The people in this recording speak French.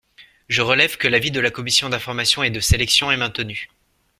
Je relève que l’avis de la commission d’information et de sélection est maintenu.